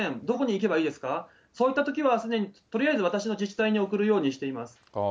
どこに行けばいいですか、そういったときはとりあえず私の自治体に送るようにしています。